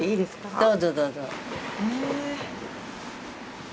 どうぞどうぞ。